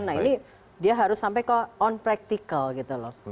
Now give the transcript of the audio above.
nah ini dia harus sampai ke on practical gitu loh